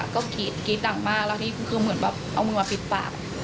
ก็กรี๊ดกรี๊ดดังมากแล้วนี่คือเหมือนแบบเอามือมาปิดปาก